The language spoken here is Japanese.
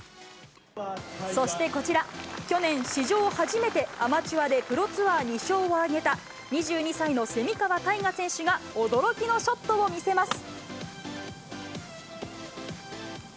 そしてこちら、去年、史上初めてアマチュアでプロツアー２勝を挙げた、２２歳の蝉川泰果選手が、驚きのショットを見せます。